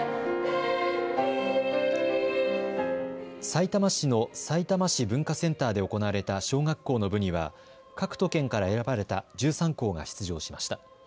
さいたま市のさいたま市文化センターで行われた小学校の部には各都県から選ばれた１３校が出場しました。